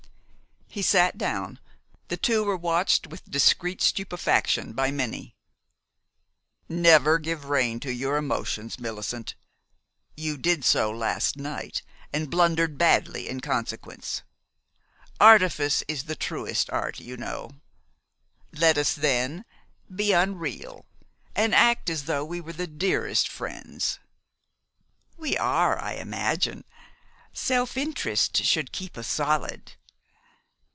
He sat down. The two were watched with discreet stupefaction by many. "Never give rein to your emotions, Millicent. You did so last night, and blundered badly in consequence. Artifice is the truest art, you know. Let us, then, be unreal, and act as though we were the dearest friends." "We are, I imagine. Self interest should keep us solid."